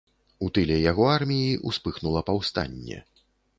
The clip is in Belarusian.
У тыле яго арміі ўспыхнула паўстанне.